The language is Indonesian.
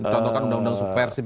contohkan undang undang subversif